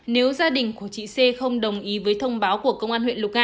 nếu gia đình của chị c không đồng ý với thông báo của công an huyện lục ngạ